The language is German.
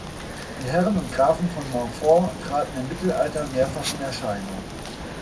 Die Herren und Grafen von Montfort traten im Mittelalter mehrfach in Erscheinung.